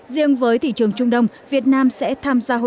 riêng với thị trường trung đông việt nam sẽ được tổ chức vào tháng một mươi tới